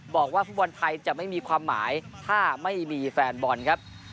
บอกว่าฟุตบอลไทยจะไม่มีความหมายถ้าไม่มีแฟนบอลครับ